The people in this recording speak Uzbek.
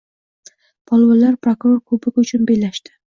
Polvonlar prokuror kubogi uchun bellashdi